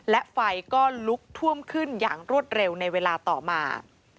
และไฟก็ลุกท่วมขึ้นอย่างรวดเร็วในเวลาต่อมา